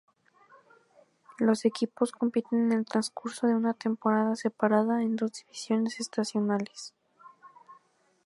Los equipos compiten en el transcurso de una temporada separada en dos divisiones estacionales.